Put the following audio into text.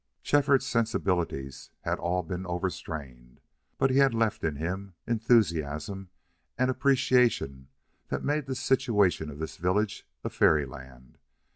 Shefford's sensibilities had all been overstrained, but he had left in him enthusiasm and appreciation that made the situation of this village a fairyland.